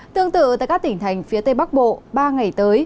tương tự tại các tỉnh thành phía tây bắc bộ ba ngày tới